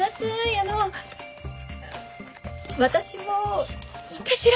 あの私もいいかしら。